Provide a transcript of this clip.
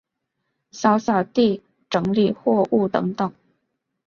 扫扫地、整理货物等等